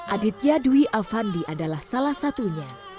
aditya dwi avandi adalah salah satunya